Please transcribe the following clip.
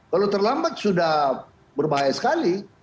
kalau terlambat sudah berbahaya sekali